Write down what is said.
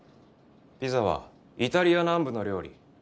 ピザはイタリア南部の料理